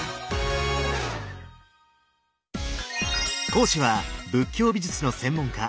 講師は仏教美術の専門家